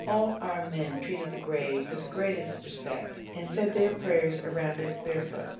All our men treated the grave with the greatest respect, and said their prayers around it barefoot.